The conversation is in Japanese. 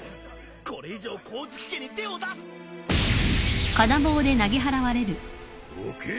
これ以上光月家に手を出す。どけ！